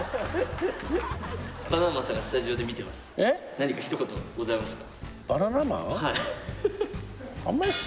何か一言ございますか？